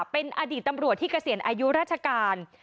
เป็นอดีตตำรวจที่เกษียณอายุราชการ